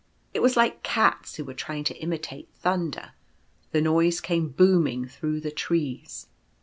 It was like cats who were trying to imitate thunder. The noise came booming through the trees.